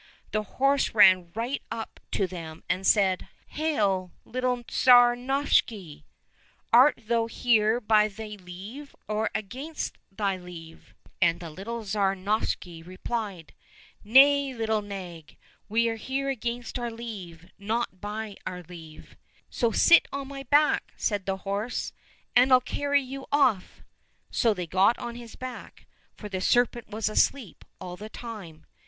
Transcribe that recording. The horse ran right up to them and said, '' Hail ! little Tsar Novishny ; art thou here by thy leave or against thy leave ?"— And the little Tsar Novishny replied, " Nay, little nag ! we are here against our leave, not by our leave." —" Then sit on my back !" said the horse, " and I'll carry you off !" So they got on his back, for the serpent was asleep all the time.